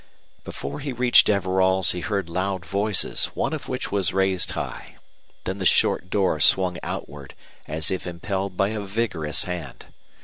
Before he reached Everall's he heard loud voices, one of which was raised high. Then the short door swung outward as if impelled by a vigorous hand.